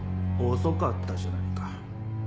遅かったじゃないか。